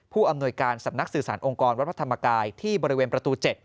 อำนวยการสำนักสื่อสารองค์กรวัดพระธรรมกายที่บริเวณประตู๗